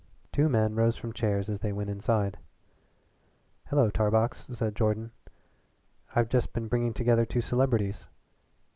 Two men rose from chairs as they went inside. "Hello Tarbox," said Jordan. "I've just been bringing together two celebrities.